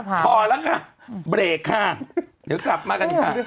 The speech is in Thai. เดี๋ยวกลับมากันค่ะ